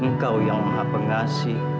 engkau yang maha pengasih